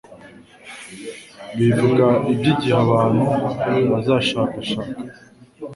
bivuga iby'igihe abantu bazashakashaka